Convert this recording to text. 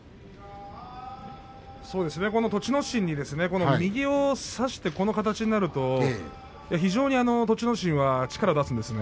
そうですね、栃ノ心に右を差してこの形になると非常に栃ノ心は力を出すんですね。